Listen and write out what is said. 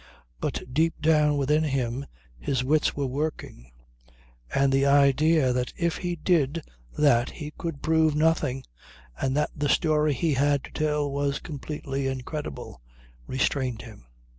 But deep down within him his wits were working, and the idea that if he did that he could prove nothing and that the story he had to tell was completely incredible, restrained him.